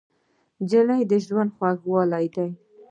نجلۍ د ژوند خوږوالی دی.